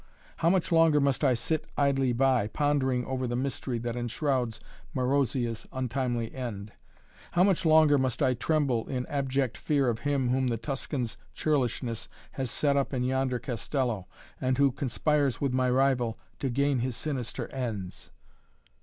How much longer must I sit idly by, pondering over the mystery that enshrouds Marozia's untimely end? How much longer must I tremble in abject fear of him whom the Tuscan's churlishness has set up in yonder castello and who conspires with my rival to gain his sinister ends?"